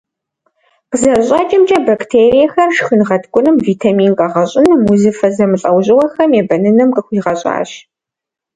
Къызэрыщӏэкӏымкӏэ, бактериехэр шхын гъэткӏуным, витамин къэгъэщӏыным, узыфэ зэмылӏэужьыгъуэхэм ебэныным къыхуигъэщӏащ.